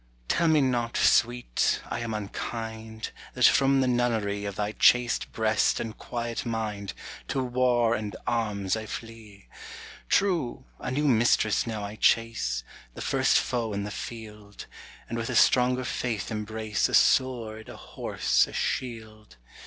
Tell me not, sweet, I am unkinde, That from the nunnerie Of thy chaste breast and quiet minde, To warre and armes I flee. True, a new mistresse now I chase. The first foe in the field; And with a stronger faith imbrace A sword, a horse, a shield.